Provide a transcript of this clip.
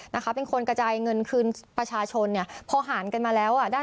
นะคะเป็นคนกระจายเงินคืนประชาชนเนี่ยพอหารกันมาแล้วอ่ะได้